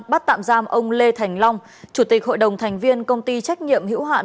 bắt tạm giam ông lê thành long chủ tịch hội đồng thành viên công ty trách nhiệm hữu hạn